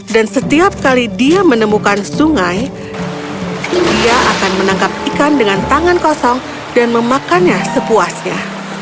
dan setiap kali dia menemukan sungai dia akan menangkap ikan dengan tangan kosong dan memakannya sepuasnya